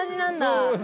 そう。